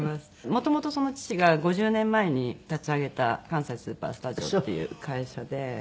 もともと父が５０年前に立ち上げた寛斎スーパースタジオっていう会社で。